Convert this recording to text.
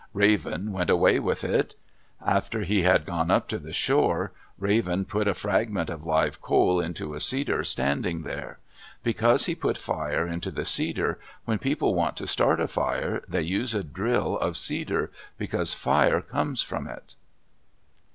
Raven went away with it. After he had gone up to the shore, Raven put a fragment of live coal into a cedar standing there. Because he put fire into the cedar, when people want to start a fire they use a drill of cedar, because fire comes from it.